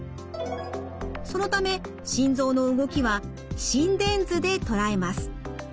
そのため心臓の動きは心電図で捉えます。